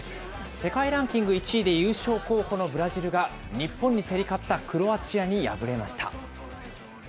世界ランキング１位で優勝候補のブラジルが、日本に競り勝ったクロアチアに敗れました。